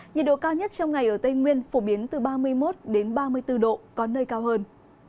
nhiệt độ cao nhất trong ngày ở tây nguyên phổ biến từ ba mươi một ba mươi bốn độ có nơi cao hơn